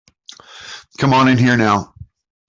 Come on in here now.